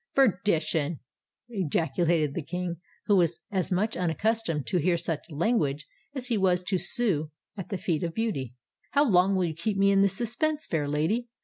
"Perdition!" ejaculated the King, who was as much unaccustomed to hear such language as he was to sue at the feet of beauty: "how long will you keep me in this suspense, fair lady?